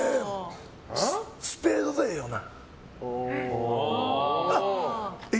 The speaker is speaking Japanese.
スペードでええよな？